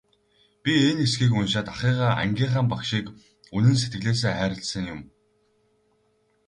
Би энэ хэсгийг уншаад ахыгаа, ангийнхаа багшийг үнэн сэтгэлээсээ хайрласан юм.